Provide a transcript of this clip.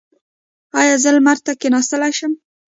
ایا زه لمر ته کیناستلی شم؟